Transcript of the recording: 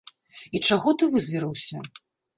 І чаго ты вызверыўся?